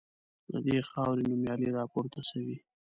له دې خاوري نومیالي راپورته سوي